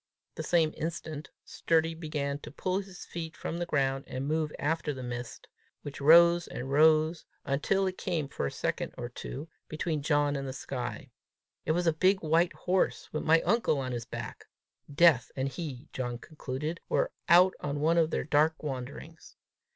The same instant Sturdy began to pull his feet from the ground, and move after the mist, which rose and rose until it came for a second or two between John and the sky: it was a big white horse, with my uncle on his back: Death and he, John concluded, were out on one of their dark wanderings!